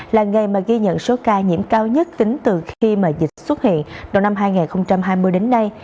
là ngày mà ghi nhận số ca nhiễm cao nhất tính từ khi mà dịch xuất hiện đầu năm hai nghìn hai mươi đến nay